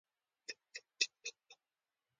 پښتو کلاسیکه شاعرۍ کې د هندي سبک اغیز لیدل کیږي